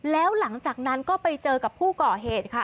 แล้วหลังจากนั้นก็ไปเจอกับผู้ก่อเหตุค่ะ